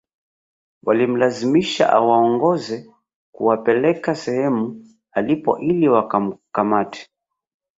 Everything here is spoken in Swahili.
Walimlazimisha awaongoze kuwapeleka sehemu alipo ili wamkamate